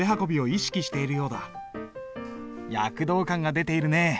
躍動感が出ているね。